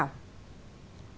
hơn nữa mặt trái